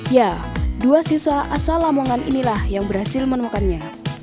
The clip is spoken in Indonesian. ya dua siswa asal lamongan inilah yang berhasil menemukannya